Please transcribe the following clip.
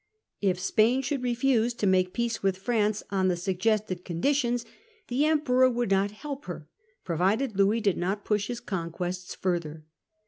If Spain should refuse to make peace with France on the suggested conditions, the Emperor would not help her, provided Louis did not push his conquests further.